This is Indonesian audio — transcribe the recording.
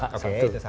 oke itu satu